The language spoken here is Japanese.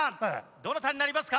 どなたになりますか？